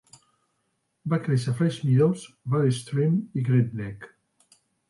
Va créixer a Fresh Meadows, Valley Stream i Great Neck.